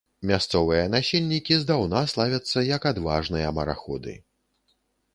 Мясцовыя насельнікі здаўна славяцца як адважныя мараходы.